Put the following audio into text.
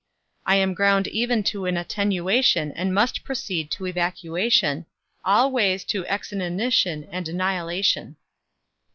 I am ground even to an attenuation and must proceed to evacuation, all ways to exinanition and annihilation.